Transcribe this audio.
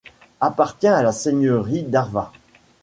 Appartient à la seigneurie d'Árva.